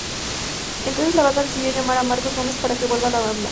Entonces la banda decidió llamar a Marcos Gómez para que vuelva a la banda.